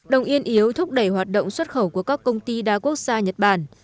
đồng yên yếu thúc đẩy hoạt động xuất khẩu của các công ty đa quốc gia nhật bản